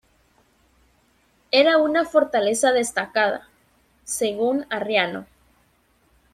Era una fortaleza destacada, según Arriano.